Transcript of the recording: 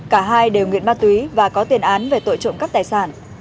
cả hai đều nghiện ma túy và có tiền án về tội trộm cắp tài sản